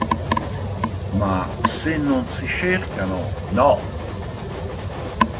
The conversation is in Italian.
Ma, se non si cercano, no!".